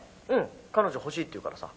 「彼女欲しいって言うからさ」